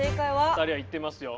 ２人は言っていますよ。